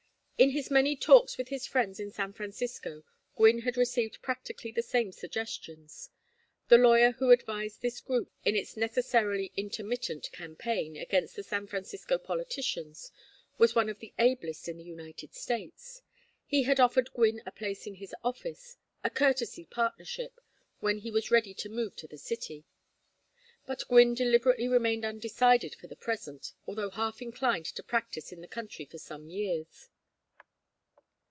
In his many talks with his friends in San Francisco, Gwynne had received practically the same suggestions. The lawyer who advised this group in its necessarily intermittent campaign against the San Francisco politicians was one of the ablest in the United States. He had offered Gwynne a place in his office, a 'courtesy partnership,' when he was ready to move to the city. But Gwynne deliberately remained undecided for the present, although half inclined to practise in the country for some years.